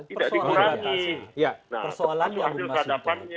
iya persoalan yang diberi mas hinton